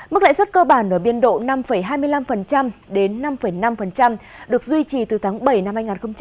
mức lãi suất cơ bản ở biên độ năm hai mươi năm đến năm năm được duy trì từ tháng bảy năm hai nghìn hai mươi